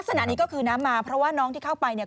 ลักษณะนี้ก็คือน้ำมาเพราะว่าน้องที่เข้าไปเนี่ย